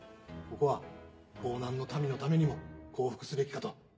ここは江南の民のためにも降伏すべきかと。